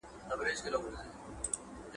څکونکي نشه یې توکي جنسي کمزوري رامنځ ته کوي.